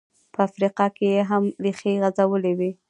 په افریقا کې یې هم ریښې غځولې وې.